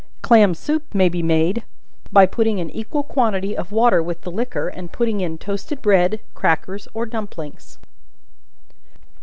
Clam soup may be made by putting an equal quantity of water with the liquor, and putting in toasted bread, crackers or dumplings.